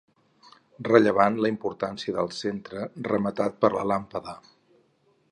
Rellevant la importància del centre rematat per la làmpada.